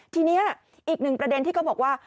ทีนี้อีกหนึ่งประเด็นที่เขาบอกว่า